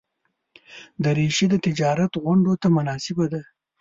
دریشي د تجارت غونډو ته مناسبه ده.